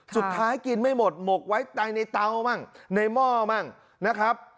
สุดท้ายกินไม่หมดหมกไว้ในเตาบ้างในหม้อบ้างนะครับ